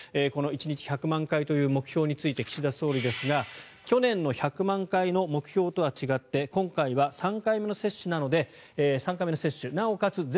この１日１００万回という目標について岸田総理ですが去年の１００万回の目標とは違って今回は３回目の接種なので３回目の接種、なおかつ